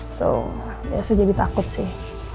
so ya saya jadi takut sih